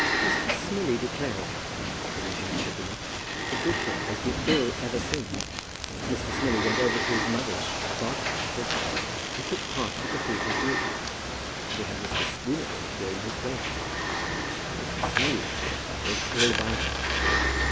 "Mr. Smillie declares," said Miss Anne Prettyman, "that the bishop has been ill ever since. Mr. Smillie went over to his mother's at Barchester for Christmas, and took part of the cathedral duty, and we had Mr. Spooner over here in his place. So Mr. Smillie of course heard all about it.